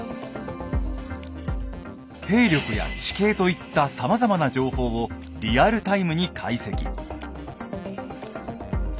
兵力や地形といったさまざまな情報をリアルタイムに解析。